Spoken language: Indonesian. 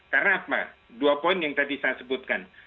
karena apa dua poin yang tadi saya sebutkan